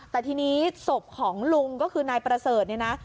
แต่ทีนี้ศพของลุงก็คือนายประเสริฐเนี่ยนะ